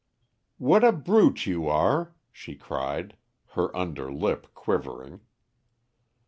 "What a brute you are!" she cried, her under lip quivering.